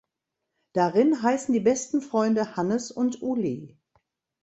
Darin heißen die besten Freunde Hannes und Uli.